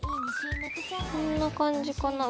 こんな感じかな。